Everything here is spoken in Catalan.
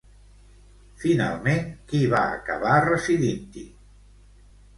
Finalment, qui va acabar residint-hi?